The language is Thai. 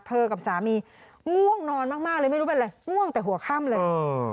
กับสามีง่วงนอนมากเลยไม่รู้เป็นอะไรง่วงแต่หัวค่ำเลย